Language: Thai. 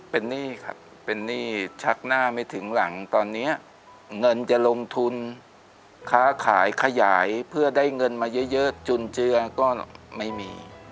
เป็นหนี้ครับเป็นหนี้ชักหน้าไม่ถึงหลังตอนนี้เงินจะลงทุนค้าขายขยายเพื่อได้เงินมาเยอะจุนเจือก็ไม่มี